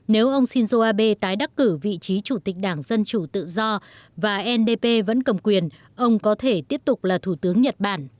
nếu ông shinzo abe tái đắc cử vị trí chủ tịch đảng dân chủ tự do và ndp vẫn cầm quyền ông có thể tiếp tục là thủ tướng nhật bản